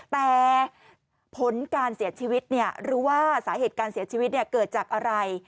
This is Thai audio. แต่ผลการเสียชีวิตรู้ว่าสาเหตุการเสียชีวิตเกิดจากอะไร